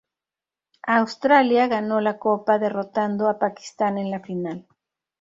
Australia ganó la Copa, derrotando a Pakistán en la final.